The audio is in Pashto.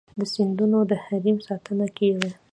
د سیندونو د حریم ساتنه کیږي؟